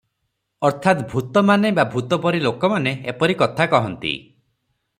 ଅର୍ଥାତ୍ ଭୂତମାନେ ବା ଭୂତପରି ଲୋକମାନେ ଏପରି କଥା କହନ୍ତି ।